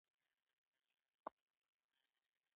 اوبه چې تر ورخ تېرې شي؛ بیا سر مه پسې ګرځوه.